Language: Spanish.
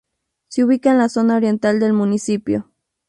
Se ubica en la zona oriental del municipio.